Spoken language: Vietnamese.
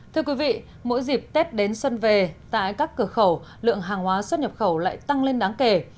thưa quý vị mỗi dịp tết đến xuân về tại các cửa khẩu lượng hàng hóa xuất nhập khẩu lại tăng lên đáng kể